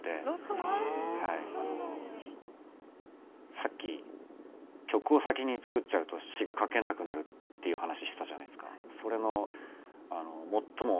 さっき曲を先に作っちゃうと詞が書けなくなるっていう話したじゃないですか。